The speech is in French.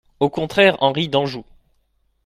Au contraire Henri d'Anjou.